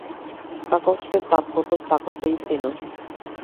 Каков што е таткото, таков е и синот.